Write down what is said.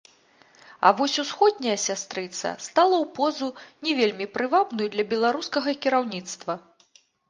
А вось усходняя сястрыца стала ў позу, не вельмі прывабную для беларускага кіраўніцтва.